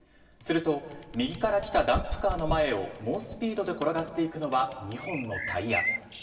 すると、右から来たダンプカーの前を猛スピードで転がっていくのは２本のタイヤ。